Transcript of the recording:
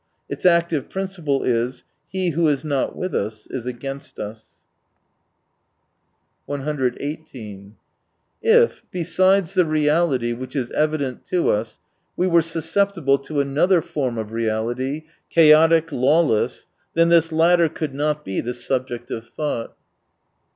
Its active principle is : He who is not with us, is against us. 125 ii8 " If, besides the reality which is evident to us, we were susceptible to anotlier form of reality, chaotic, lawless, then this latter could not be the subject of thought."